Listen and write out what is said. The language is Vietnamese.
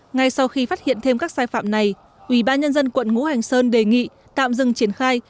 ngay sau khi phát hiện thêm các sai phạm này ủy ban nhân dân quận ngũ hành sơn đề nghị tạm dừng triển khai